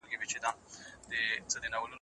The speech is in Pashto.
زړونه صبر فیصلو د شنه اسمان ته